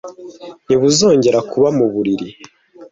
ntibuzongere kuba mu mubiri